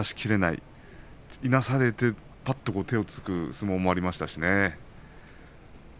いなされて、ぱっと手をつくそういう相撲もありましたしね。